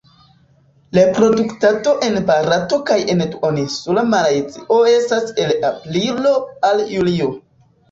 Reproduktado en Barato kaj en Duoninsula Malajzio estas el aprilo al julio.